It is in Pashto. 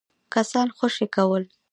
کسان خوشي کول.